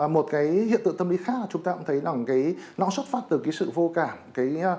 một cái hiện tượng tâm lý khác là chúng ta cũng thấy là cái nó xuất phát từ cái sự vô cảm